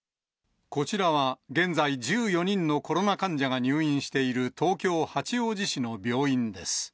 こちらは現在、１４人のコロナ患者が入院している東京・八王子市の病院です。